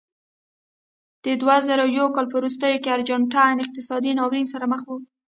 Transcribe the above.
د دوه زره یو کال په وروستیو کې ارجنټاین اقتصادي ناورین سره مخ و.